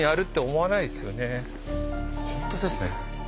本当ですね。